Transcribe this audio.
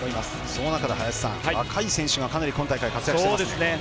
その中で若い選手がかなり今大会、活躍していますね。